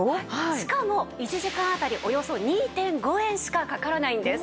しかも１時間あたりおよそ２．５円しかかからないんです。